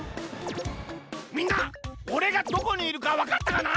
みんなおれがどこにいるかわかったかな？